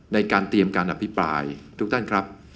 ในการเตรียมการอภิปรายทุกท่านครับ